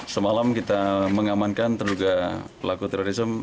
semalam kita mengamankan terduga pelaku terorisme